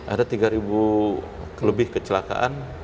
ada tiga lebih kecelakaan